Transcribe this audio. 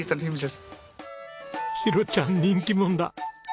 シロちゃん人気者だ！